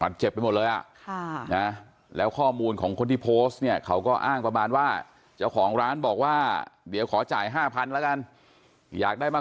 เจ็บไปหมดเลยอ่ะค่ะนะแล้วข้อมูลของคนที่โพสต์เนี่ยเขาก็อ้างประมาณว่าเจ้าของร้านบอกว่าเดี๋ยวขอจ่าย๕๐๐๐แล้วกันอยากได้มา